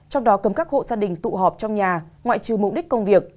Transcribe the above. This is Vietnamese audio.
trong đó cấm các hộ gia đình tụ họp trong nhà ngoại trừ mục đích công việc